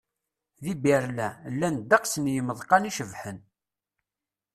Di Berlin, llan ddeqs n yimeḍqan icebḥen.